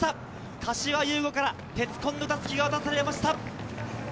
柏優吾から鉄紺の襷が渡されました。